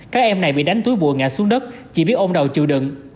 các em này bị đánh túi bùa ngã xuống đất chỉ biết ôm đầu chịu đựng